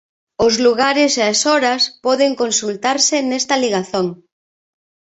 Os lugares e as horas poden consultarse nesta ligazón.